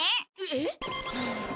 えっ？